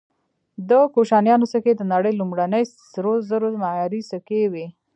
د کوشانیانو سکې د نړۍ لومړني سرو زرو معیاري سکې وې